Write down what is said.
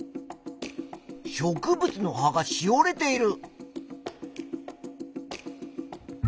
植物の葉がしおれている。